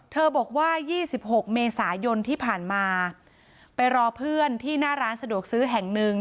บอกว่า๒๖เมษายนที่ผ่านมาไปรอเพื่อนที่หน้าร้านสะดวกซื้อแห่งหนึ่ง